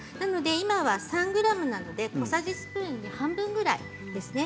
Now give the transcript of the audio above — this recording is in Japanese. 今は３ｇなので小さじスプーン半分ぐらいですね。